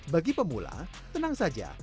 bagi pemula tenang saja